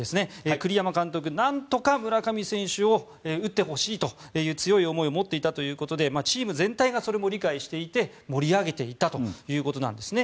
栗山監督、何とか村上選手に打ってほしいという強い思いを持っていたということでチーム全体がそれも理解していて盛り上げていったということなんですね。